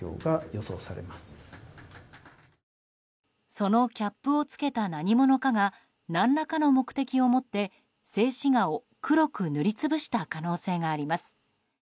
そのキャップを付けた何者かが何らかの目的を持って静止画を黒く塗りつぶした可能性があります。